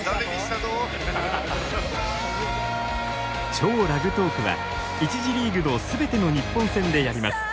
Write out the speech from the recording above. ＃超ラグトークは１次リーグのすべての日本戦でやります。